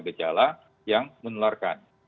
gejala yang menelarkan